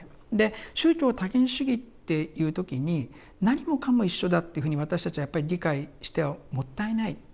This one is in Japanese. で宗教多元主義っていう時に何もかも一緒だっていうふうに私たちはやっぱり理解してはもったいない。